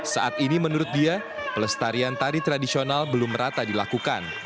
saat ini menurut dia pelestarian tari tradisional belum rata dilakukan